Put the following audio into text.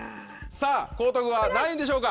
さぁ江東区は何位でしょうか？